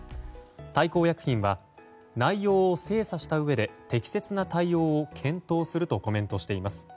大幸薬品は内容を精査したうえで適切な対応を検討するとコメントしています。